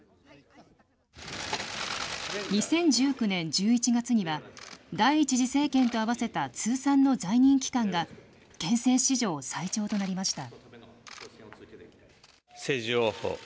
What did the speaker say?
２０１９年１１月には、第１次政権と合わせた通算の在任期間が、憲政史上最長となりました。